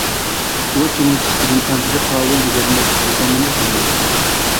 ئۇ چوڭى كىچىكىدىن قانچىلىك قاۋۇل دېگەندەك سۆزلەرنىمۇ قىلمايتتى.